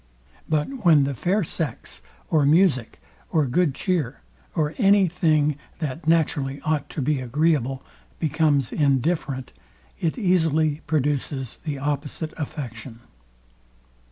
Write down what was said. But when the fair sex, or music, or good cheer, or any thing, that naturally ought to be agreeable, becomes indifferent, it easily produces the opposite affection.